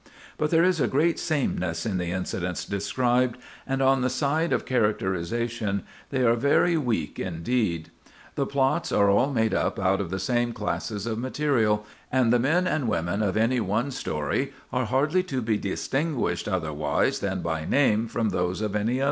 But there is a great sameness in the incidents described, and on the side of characterization they are very weak indeed. The plots are all made up out of the same classes of material; and the men and women of any one story are hardly to be distinguished otherwise than by name from those of any other.